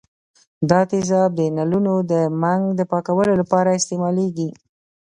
دا تیزاب د نلونو د منګ د پاکولو لپاره استعمالیږي.